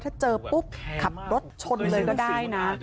ถ้าเจอปุ๊บขับรถชนเลยก็ได้นะ